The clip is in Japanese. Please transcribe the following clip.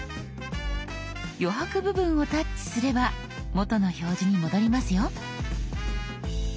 余白部分をタッチすれば元の表示に戻りますよ。